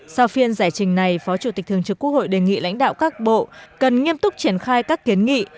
sau phiên giải trình này phó chủ tịch thường trực quốc hội đề nghị lãnh đạo các bộ cần nghiêm túc triển khai các kiến nghị